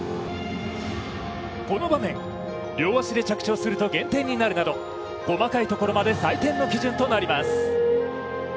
この場面、両足で着地をすると減点になるなど細かいところまで採点の基準になります。